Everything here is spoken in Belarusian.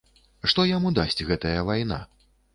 Што яму дасць гэтая вайна?